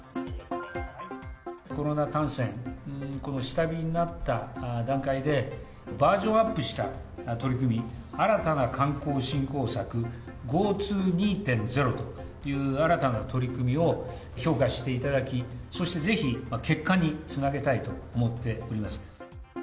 コロナ感染、この下火になった段階で、バージョンアップした取り組み、新たな観光振興策、ＧｏＴｏ２．０という新たな取り組みを評価していただき、そしてぜひ結果につなげたいと思っております。